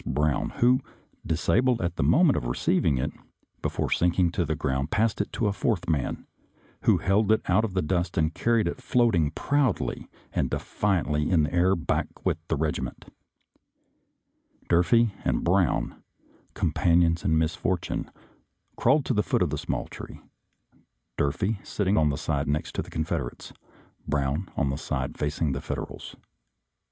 Brown, who, disabled at the moment of receiving it, before sinking to the ground passed it to a fourth man, who held it out of the dust and carried it floating proudly and de fiantly in the air back with the regiment. Dur fee and Brown, companions in misfortune, 234 SOLDIER'S LETTERS TO CHARMING NELLIE crawled to the foot of the same tree, Durfee sitting on the side next to the Confederates, Brown on that facing the Federals.